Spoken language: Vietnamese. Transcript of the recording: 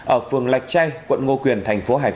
ở phường lạch chay quận ngô quyền tp hcm